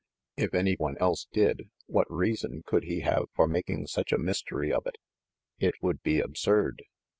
If any one else did, what reason could he have for making such a mystery of it? It would be ab surd."